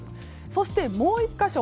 そして、もう１か所